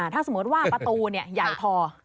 ถ้าสมมุติว่าประตูใหญ่พอ